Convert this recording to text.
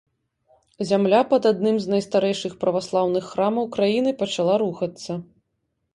Зямля пад адным з найстарэйшых праваслаўных храмаў краіны пачала рухацца.